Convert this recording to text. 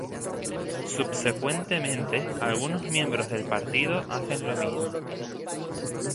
Subsecuentemente, algunos miembros del partido hacen lo mismo.